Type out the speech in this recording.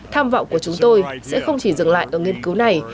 tham vọng của chúng tôi sẽ không chỉ dừng lại ở nghiên cứu này